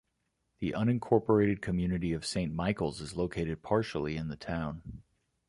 The unincorporated community of Saint Michaels is located partially in the town.